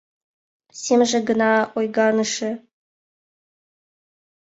Семже гына ойганыше.